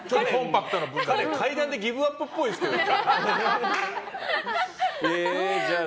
彼、階段でギブアップっぽいですけどね。